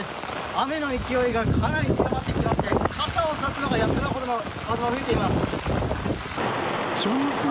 雨の勢いがかなり強まってきまして傘をさすのがやっとなほどの風が吹いています。